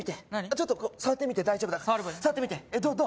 ちょっとこう触ってみて大丈夫だから触ってみて触ればいいの？